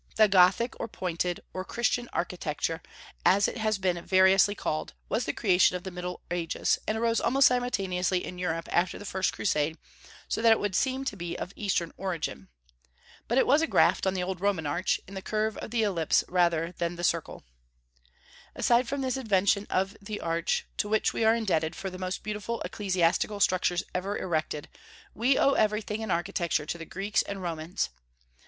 The Gothic, or Pointed, or Christian architecture, as it has been variously called, was the creation of the Middle Ages, and arose almost simultaneously in Europe after the first Crusade, so that it would seem to be of Eastern origin. But it was a graft on the old Roman arch, in the curve of the ellipse rather than the circle. Aside from this invention of the arch, to which we are indebted for the most beautiful ecclesiastical structures ever erected, we owe everything in architecture to the Greeks and Romans.